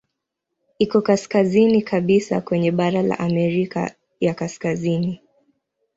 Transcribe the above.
Iko kaskazini kabisa kwenye bara la Amerika ya Kaskazini.